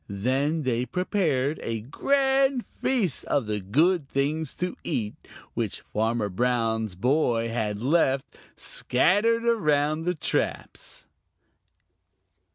Then they prepared for a grand feast of the good things to eat which Farmer Brown's boy had left, scattered around the traps.